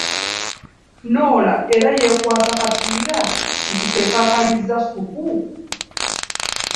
Norah era yeekwasa kapiira nti ke kakalizza ssupu.